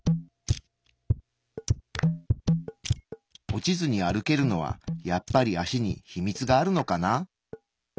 落ちずに歩けるのはやっぱり足に秘密があるのかな？